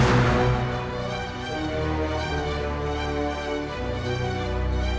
sumpah mati kau urusak jiwaku saat ini